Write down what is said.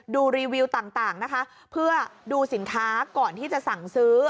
รีวิวต่างนะคะเพื่อดูสินค้าก่อนที่จะสั่งซื้อ